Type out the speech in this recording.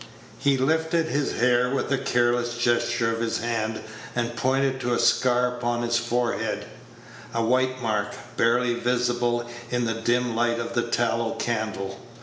He lifted his hair with a careless gesture of his hand, and pointed to a scar upon his forehead a white mark, barely visible in the dim light of the tallow candle.